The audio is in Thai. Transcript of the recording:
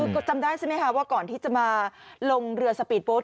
พูดจำได้ใช่ไหมคะว่าก่อนที่จะมาลงเหลือสปีทโบสส์